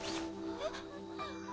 えっ？